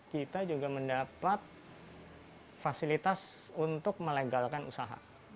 kita juga mendapat fasilitas untuk melegalkan usaha